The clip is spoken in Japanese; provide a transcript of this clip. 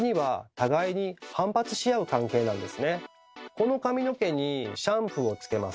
この髪の毛にシャンプーをつけます。